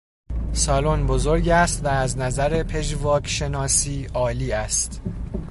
سالن بزرگ است و از نظر پژواک شناسی عالی است.